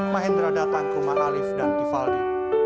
mahendra datang ke rumah alif dan tivaldi